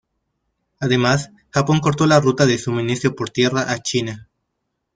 Además, Japón cortó la ruta de suministro por tierra a China.